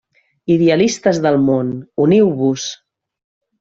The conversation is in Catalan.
Idealistes del món, uniu-vos!